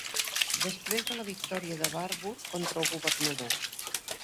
Després de la victòria de Barbour contra el governador.